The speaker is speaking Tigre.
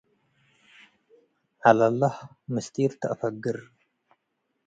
ዐለለህ ምስጢር ተአፈግር።